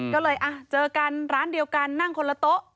ก็เลยเจอกันร้านเดียวกันนั่งคนละโต๊ะ